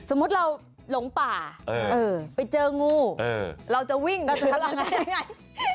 สมมติเราหลงป่าไปเจองูเราจะวิ่งเราจะทำยังไง